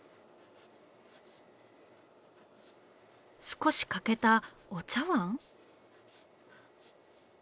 少し欠けたお茶碗？